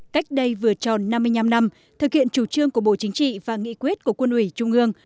cách đây vừa tròn năm mươi năm năm thực hiện chủ trương của bộ chính trị và nghị quyết của quân ủy trung ương